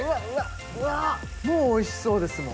うわもうおいしそうですもん。